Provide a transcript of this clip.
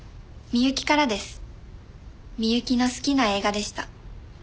美雪の好きな映画でした。